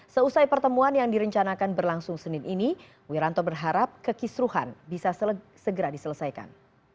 seusai pertemuan yang direncanakan berlangsung senin ini wiranto berharap kekisruhan bisa segera diselesaikan